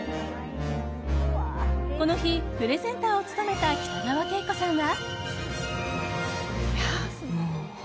この日、プレゼンターを務めた北川景子さんは。